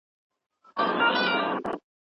الهي احکام د انسان د ښېګڼې لپاره دي.